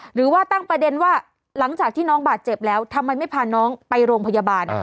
หรือว่าตั้งประเด็นว่าหลังจากที่น้องบาดเจ็บแล้วทำไมไม่พาน้องไปโรงพยาบาล